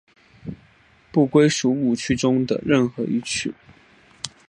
不归属五趣中的任何一趣。